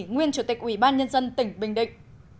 nguyên chủ tịch ủy ban nhân dân tỉnh bình định